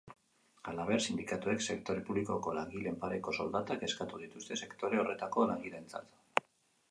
Halaber, sindikatuek sektore publikoko langileen pareko soldatak eskatu dituzte sektore horretako langileentzat.